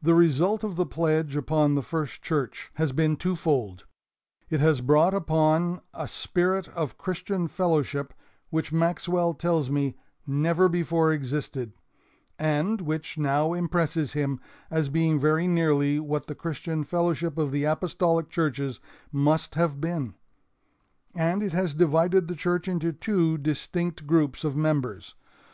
"The result of the pledge upon the First Church has been two fold. It has brought upon a spirit of Christian fellowship which Maxwell tells me never before existed, and which now impresses him as being very nearly what the Christian fellowship of the apostolic churches must have been; and it has divided the church into two distinct groups of members.